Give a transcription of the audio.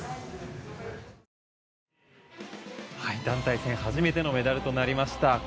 団体戦初めてのメダルとなりました。